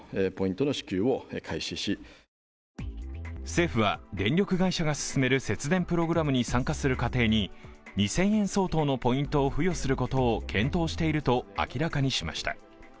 政府は電力会社が進める節電プログラムに参加する家庭に２０００円相当のポイントを付与することを検討していると明らかにしました。